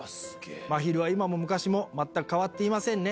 まひるは今も昔も全く変わっていませんね。